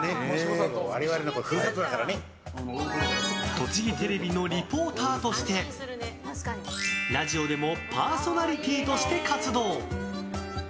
とちぎテレビのリポーターとしてラジオでもパーソナリティーとして活動。